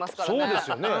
そうですよね。